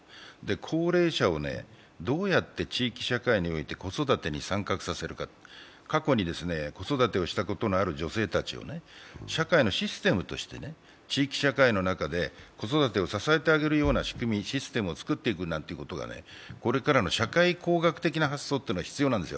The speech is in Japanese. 高齢者をどうやって地域社会において子育てに参画させるか、過去に子育てをしたことのある女性たちを社会のシステムとして地域社会の中で子育てを支えてあげるような仕組み、システムを作っていくことがこれからの社会工学的な発想が必要なんですよ。